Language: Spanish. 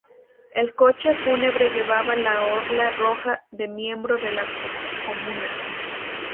El coche fúnebre llevaba la orla roja de miembro de la Comuna.